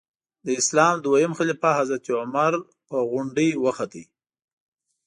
د اسلام دویم خلیفه حضرت عمر په غونډۍ وخوت.